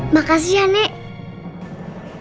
makasih ya nek